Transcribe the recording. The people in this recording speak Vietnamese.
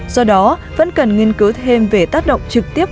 do đó vẫn cần nghiên cứu thêm về tác động trực tiếp